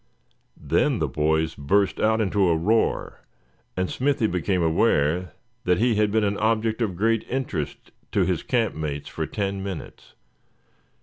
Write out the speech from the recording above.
Then the boys burst out into a roar, and Smithy became aware that he had been an object of great interest to his campmates for ten minutes.